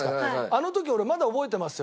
あの時俺まだ覚えてますよ。